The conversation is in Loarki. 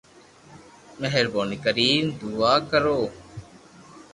مھربوني ڪرين دعا ڪرو